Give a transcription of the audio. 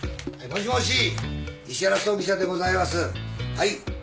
はい。